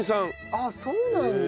ああそうなんだ！